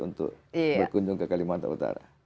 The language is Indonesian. untuk berkunjung ke kalimantan utara